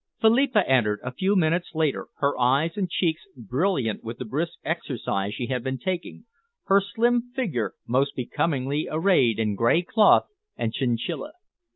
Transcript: Philippa entered, a few minutes later, her eyes and cheeks brilliant with the brisk exercise she had been taking, her slim figure most becomingly arrayed in grey cloth and chinchilla.